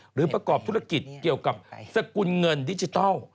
หรือประกอบธุรกิจเกี่ยวกับสกุลเงินดิจิทัล